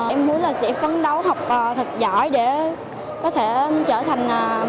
em muốn là sẽ phấn đấu học thật giỏi để có thể trở thành